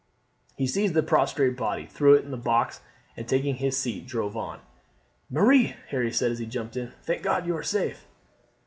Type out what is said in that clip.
He seized the prostrate body, threw it up on the box, and taking his seat drove on. "Marie," Harry said as he jumped in, "thank God you are safe!"